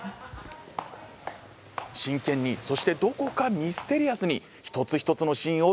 真剣にそしてどこかミステリアスに一つ一つのシーンを積み重ねています。